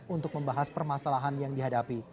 untuk membahas permasalahan yang dihadapi